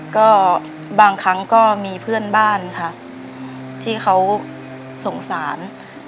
ก็บางครั้งก็มีเพื่อนบ้านค่ะที่เขาสงสาร